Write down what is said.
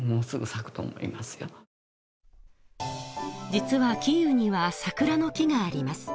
実はキーウには、桜の木があります。